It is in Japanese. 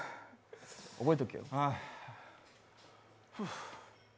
覚えとけよ。